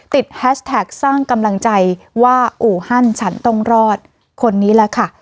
แฮชแท็กสร้างกำลังใจว่าอู่ฮั่นฉันต้องรอดคนนี้แหละค่ะ